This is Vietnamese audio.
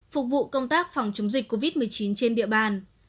phục vụ công tác phòng chống dịch covid một mươi chín trên địa bàn